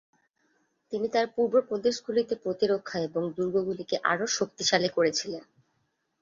তিনি তার পূর্ব প্রদেশগুলিতে প্রতিরক্ষা এবং দুর্গগুলিকে আরও শক্তিশালী করেছিলেন।